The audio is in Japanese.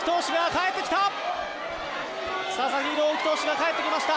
佐々木朗希投手が帰ってきました。